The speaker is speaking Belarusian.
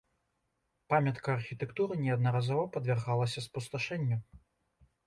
Памятка архітэктуры неаднаразова падвяргалася спусташэнню.